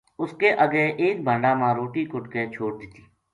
اس کے اَگے ایک بھانڈا ما روٹی کُٹ کے چھوڈ دِتی